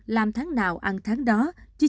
làm tháng nào ăn tháng đó chứ